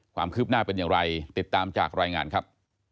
ความคืบหน้าเป็นอย่างไรติดตามจากรายงานครับ